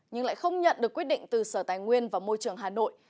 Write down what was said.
nhưng lại không nhận được quyết định từ sở tài nguyên và môi trường hà nội